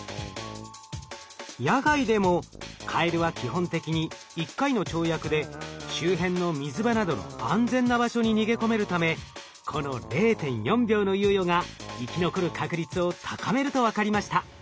野外でもカエルは基本的に一回の跳躍で周辺の水場などの安全な場所に逃げ込めるためこの０．４秒の猶予が生き残る確率を高めると分かりました。